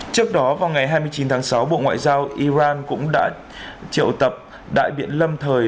trước đó vào ngày hai mươi chín tháng sáu bộ ngoại giao iran cũng đã triệu tập đại biện lâm thời